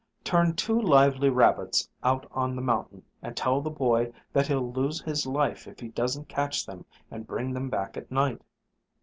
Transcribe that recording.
"Turn two lively rabbits out on the mountain and tell the boy that he'll lose his life if he doesn't catch them and bring them back at night."